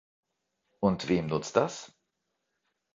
Und wem nutzt das?